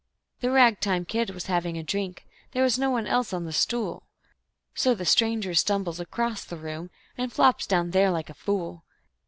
The rag time kid was having a drink; there was no one else on the stool, So the stranger stumbles across the room, and flops down there like a fool.